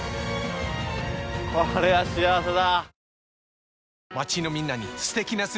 これは幸せだ。